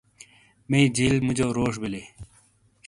مئی جیل موجو روش بیلی